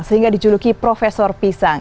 sehingga dijuluki profesor pisang